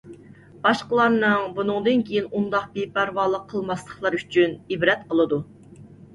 باشقىلارنىڭ بۇنىڭدىن كېيىن ئۇنداق بىپەرۋالىق قىلماسلىقلىرى ئۈچۈن ئىبرەت قىلىدۇ.